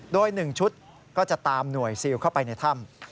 โดย๑ชุดก็จะตามหน่วยซิลเข้าไปในถ้ำ